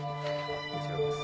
こちらです。